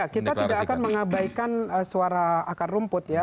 kita tidak akan mengabaikan suara akar rumput ya